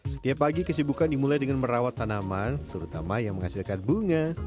setiap pagi kesibukan dimulai dengan merawat tanaman terutama yang menghasilkan bunga